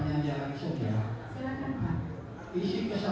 saya akan menyanyi